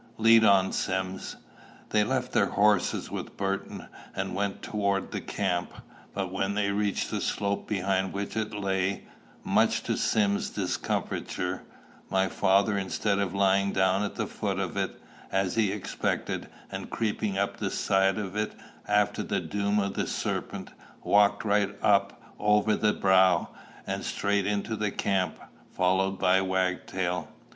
Lead on, Sim." They left their horses with Burton, and went toward the camp. But when they reached the slope behind which it lay, much to Sim's discomfiture, my father, instead of lying down at the foot of it, as he expected, and creeping up the side of it, after the doom of the serpent, walked right up over the brow, and straight into the camp, followed by Wagtail.